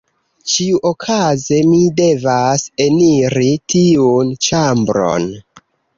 Ĉiuokaze mi devas eniri tiun ĉambron.